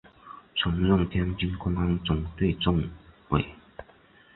曾任天津公安总队政委。